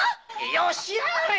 よしやがれ！